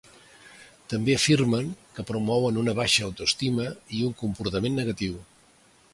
També afirmen que promouen una baixa autoestima i un comportament negatiu.